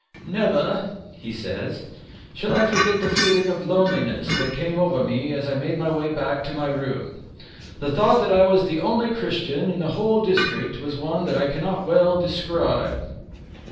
"Never," he says, "shall I forget the feeling of loneliness that came over me as I made my way back to my room. The thought that I was the only Christian in the whole district was one that I cannot well describe."